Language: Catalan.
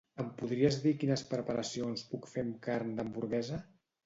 Em podries dir quines preparacions puc fer amb carn d'hamburguesa?